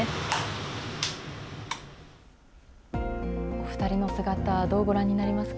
お２人の姿、どうご覧になりますか？